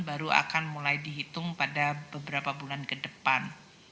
baru akan mulai dihitung pada beberapa bulan ke depan